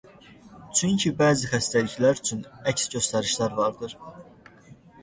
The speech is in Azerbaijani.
Çünki bəzi xəstəliklər üçün əks göstərişlər vardır.